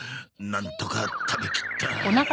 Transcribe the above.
なんとか食べきった。